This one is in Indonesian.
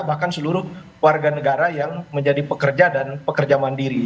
bahkan seluruh warga negara yang menjadi pekerja dan pekerja mandiri